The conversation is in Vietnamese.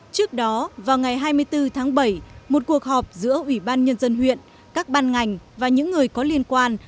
trước đó vào ngày hai mươi bốn tháng bảy một cuộc họp giữa ủy ban nhân dân huyện các ban ngành và những người có liên quan